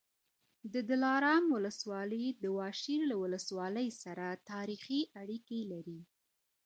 د دلارام ولسوالي د واشېر له ولسوالۍ سره تاریخي اړیکې لري